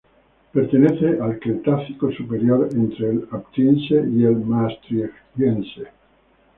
Pertenece al Cretácico superior, entre el Aptiense y el Maastrichtiense.